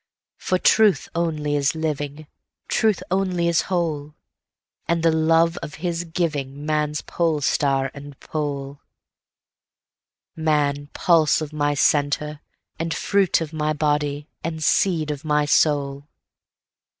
For truth only is living, Truth only is whole, And the love of his givingMan's polestar and pole; Man, pulse of my centre, and fruit of my body, and seed of my soul.